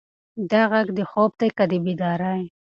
دا غږ د خوب دی که د بیدارۍ؟